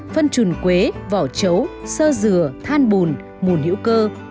phân chuồn quế vỏ chấu xơ dừa than bùn mùn hữu cơ